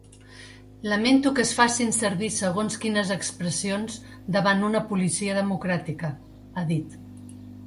Lamento que es facin servir segons quines expressions davant una policia democràtica, ha dit.